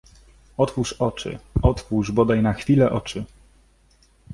Otwórz oczy, otwórz bodaj na chwilę oczy!